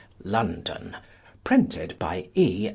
London Printed by E.